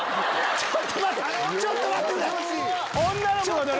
ちょっと待ってくれ！